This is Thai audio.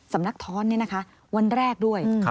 สำนักท้อนนี่นะคะวันแรกด้วย